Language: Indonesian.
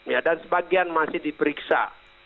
ya dan sebagian masih diperiksa